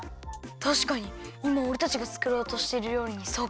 たしかにいまおれたちがつくろうとしてるりょうりにそっくり！